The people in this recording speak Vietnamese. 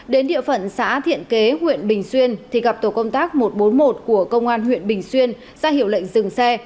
đến địa phận xã thiện kế huyện bình xuyên thì gặp tổ công tác một trăm bốn mươi một của công an huyện bình xuyên ra hiệu lệnh dừng xe